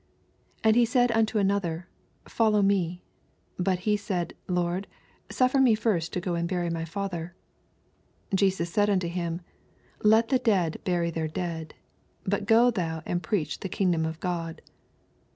69 And he said nnto another, Follow me. But he said Lord, suffer me first to go and bury my father. 60 Jesus said unto him. Let the dead bury their dead : but go thou and preach the kingdom of God.